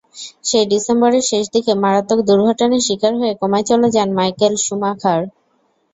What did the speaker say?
সেই ডিসেম্বরের শেষ দিকে মারাত্মক দুর্ঘটনার শিকার হয়ে কোমায় চলে যান মাইকেল শুমাখার।